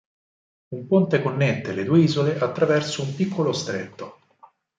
Un ponte connette le due isole attraverso un piccolo stretto.